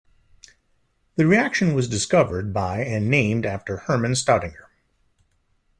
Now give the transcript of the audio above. The reaction was discovered by and named after Hermann Staudinger.